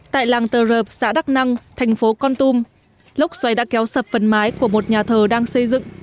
tại làng tờ rợp xã đắc năng thành phố con tum lốc xoáy đã kéo sập phần mái của một nhà thờ đang xây dựng